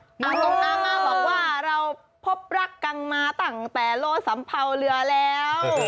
ตามตรงตามมาบอกว่าเราพบรักกังมาตั้งแต่โลสัมเภาเรือแล้ว